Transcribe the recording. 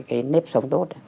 cái nếp sống của chúng ta